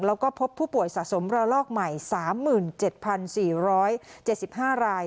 แล้วก็พบผู้ป่วยสะสมระลอกใหม่๓๗๔๗๕ราย